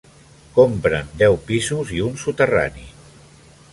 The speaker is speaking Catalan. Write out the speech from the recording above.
Comprèn deu pisos i un soterrani.